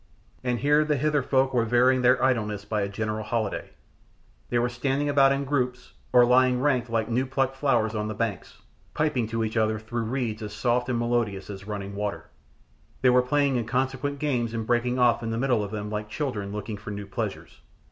And here the Hither folk were varying their idleness by a general holiday. They were standing about in groups, or lying ranked like new plucked flowers on the banks, piping to each other through reeds as soft and melodious as running water. They were playing inconsequent games and breaking off in the middle of them like children looking for new pleasures.